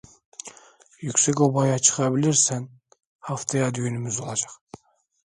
Yüksekoba'ya çıkabilirsen haftaya düğünümüz olacak.